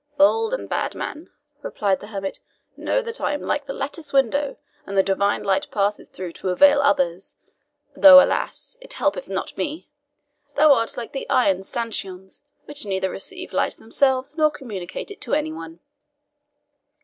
"Bold and bad man," replied the hermit, "know that I am like the latticed window, and the divine light passes through to avail others, though, alas! it helpeth not me. Thou art like the iron stanchions, which neither receive light themselves, nor communicate it to any one."